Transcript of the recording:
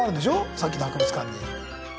さっきの博物館に。